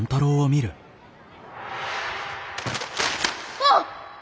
あっ！？